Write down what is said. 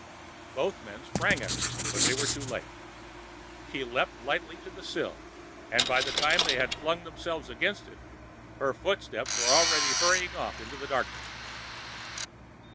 Both men sprang at her, but they were too late. She leaped lightly to the sill, and by the time they had flung themselves against it, her footsteps were already hurrying off into the darkness.